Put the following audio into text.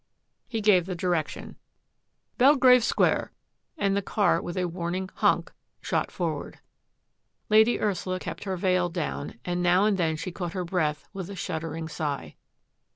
He gave the direction — DETECTIVE METHODS 848 " Belgrave Square," and the car with a warning *' honk " shot forward. Lady Ursula kept her veil down, and now and then she caught her breath with a shuddering sigh.